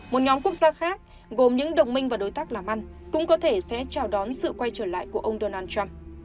một nhóm quốc gia khác gồm những đồng minh và đối tác làm ăn cũng có thể sẽ chào đón sự quay trở lại của ông donald trump